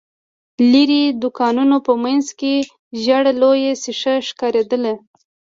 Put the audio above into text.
ليرې، د دوکانونو په مينځ کې ژېړه لويه ښيښه ښکارېدله.